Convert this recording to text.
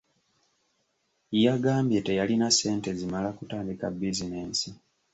Yagambye teyalina ssente zimala kutandika bizinensi.